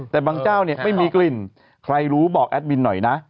แต่บางเจ้าเนี่ยไม่มีกลิ่นใครรู้บอกแอดมินหน่อยนะ